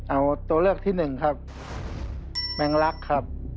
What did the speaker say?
เอาตัวเลือกที่๑ครับแมงลักครับ